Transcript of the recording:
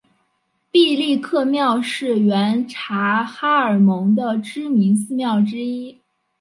毕力克庙是原察哈尔盟的知名寺庙之一。